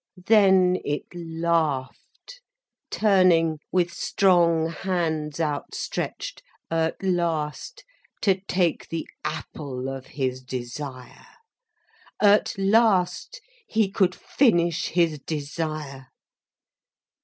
Then it laughed, turning, with strong hands outstretched, at last to take the apple of his desire. At last he could finish his desire.